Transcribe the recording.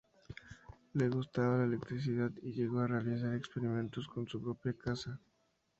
Le gustaba la electricidad y llegó a realizar experimentos en su propia casa.